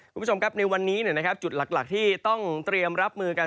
คุณผู้ชมครับในวันนี้จุดหลักที่ต้องเตรียมรับมือกัน